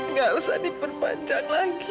nggak usah diperpanjang lagi